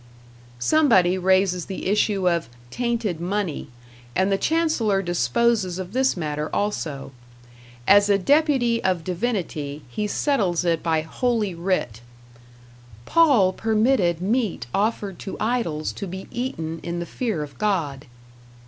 Somebody raises the issue of "tainted money", and the Chancellor disposes of this matter also. As a Deputy of Divinity, he settles it by Holy Writ: "Paul permitted meat offered to idols to be eaten in the fear of God."